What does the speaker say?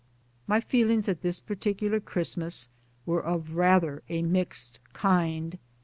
My feelings at this particular Christmas were of rather a mixed kind.